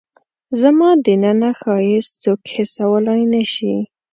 زما دننه ښایست څوک حسولای نه شي